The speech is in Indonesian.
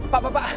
pak pak pak